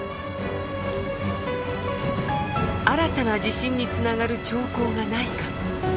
新たな地震につながる兆候がないか。